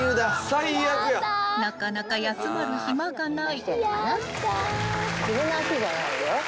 ［なかなか休まる暇がない］